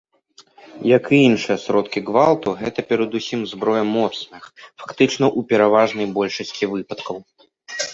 Як і іншыя сродкі гвалту, гэта перадусім зброя моцных, фактычна ў пераважнай большасці выпадкаў.